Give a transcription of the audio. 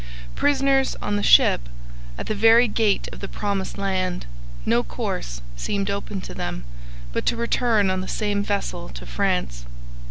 Prisoners on the ship, at the very gate of the promised land, no course seemed open to them but to return on the same vessel to France.